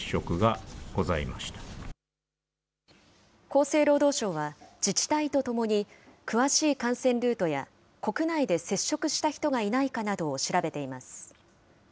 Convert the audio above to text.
厚生労働省は自治体とともに詳しい感染ルートや、国内で接触した人がいないかなどを調べています。